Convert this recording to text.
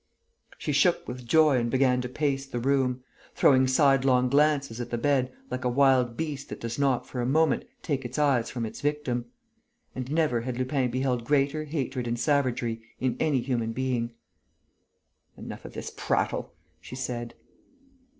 She shook with joy and began to pace the room, throwing sidelong glances at the bed, like a wild beast that does not for a moment take its eyes from its victim. And never had Lupin beheld greater hatred and savagery in any human being. "Enough of this prattle," she said.